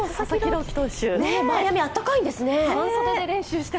マイアミ、暖かいんですね。